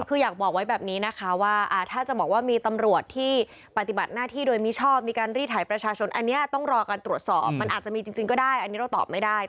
คืออยากบอกไว้แบบนี้นะคะว่าถ้าจะบอกว่ามีตำรวจที่ปฏิบัติหน้าที่โดยมิชอบมีการรีดถ่ายประชาชนอันนี้ต้องรอการตรวจสอบมันอาจจะมีจริงก็ได้อันนี้เราตอบไม่ได้